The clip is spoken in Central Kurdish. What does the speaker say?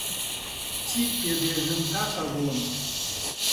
چیت پێ بێژم تاقە گوڵم